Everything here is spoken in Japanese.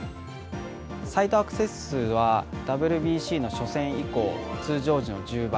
サイトアクセス数は、ＷＢＣの初戦以降、通常時の１０倍。